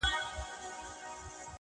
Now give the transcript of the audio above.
هغې بۀ ما بلاندي د خپل سر لوپټه وهله,